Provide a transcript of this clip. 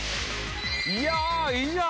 いやいいじゃん！